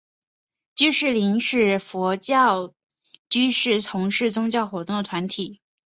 居士林是佛教居士从事宗教活动的团体。